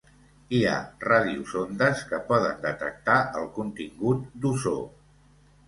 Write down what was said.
Hi ha radiosondes que poden detectar el contingut d'ozó.